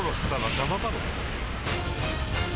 邪魔だろ。